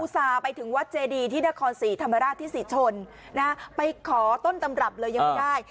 ส่าห์ไปถึงวัดเจดีที่นครศรีธรรมราชที่ศรีชนไปขอต้นตำรับเลยยังไม่ได้